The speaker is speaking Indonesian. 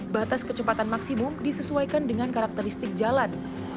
batas kecepatan maksimum disesuaikan dengan karakteristik jalan